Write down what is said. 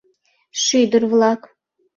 Шӱдыр-влак.